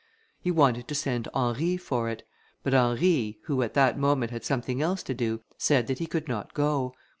He wanted to send Henry for it; but Henry, who at that moment had something else to do, said that he could not go.